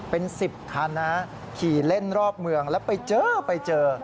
เป็น๑๐คันนะขี่เล่นรอบเมืองแล้วไปเจอไปเจอ